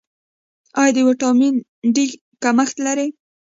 ایا د ویټامین ډي کمښت لرئ؟